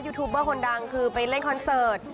ทูบเบอร์คนดังคือไปเล่นคอนเสิร์ต